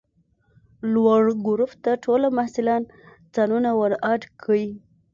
لوړ ګروپ ته ټوله محصلان ځانونه ور اډ کئ!